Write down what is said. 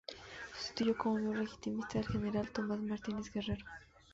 Sustituyó como miembro "legitimista" al General Tomás Martínez Guerrero.